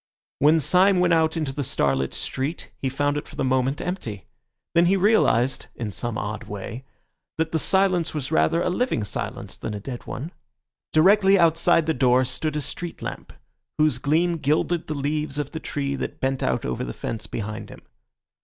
When Syme went out into the starlit street, he found it for the moment empty. Then he realised (in some odd way) that the silence was rather a living silence than a dead one. Directly outside the door stood a street lamp, whose gleam gilded the leaves of the tree that bent out over the fence behind him.